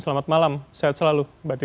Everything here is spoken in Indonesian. selamat malam sehat selalu mbak titi